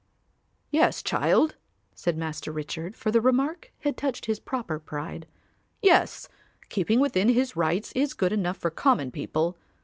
"Yes, child," said Master Richard, for the remark had touched his proper pride. "Yes, keeping within his rights is good enough for common people.